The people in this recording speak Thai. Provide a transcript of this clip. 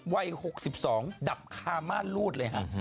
วัย๖๒ดับคาม่านรูดเลยฮะ